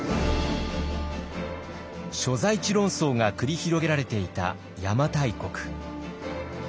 所在地論争が繰り広げられていた邪馬台国。